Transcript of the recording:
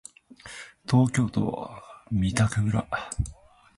東京都三宅村